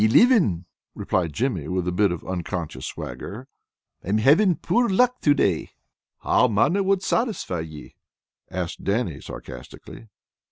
"Elivin," replied Jimmy, with a bit of unconscious swagger. "I am havin' poor luck to day." "How mony wad satisfy ye?" asked Dannie sarcastically.